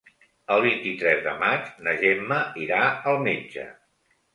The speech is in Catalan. El vint-i-tres de maig na Gemma irà al metge.